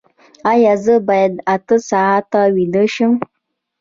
ایا زه باید اته ساعته ویده شم؟